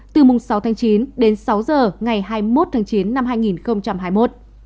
từ mùng sáu tháng chín đến sáu giờ ngày hai mươi một tháng chín năm hai nghìn hai mươi một